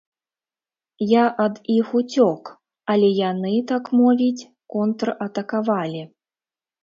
Я ад іх уцёк, але яны, так мовіць, контратакавалі.